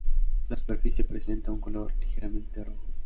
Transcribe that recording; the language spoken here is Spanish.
La superficie presenta un color ligeramente rojo.